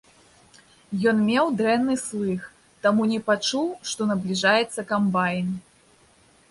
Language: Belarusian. Ён меў дрэнны слых, таму не пачуў, што набліжаецца камбайн.